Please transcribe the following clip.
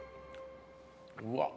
うわっ！